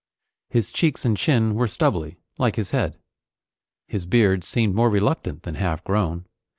His cheeks and chin were stubbly, like his head; his beard seemed more reluctant than half grown.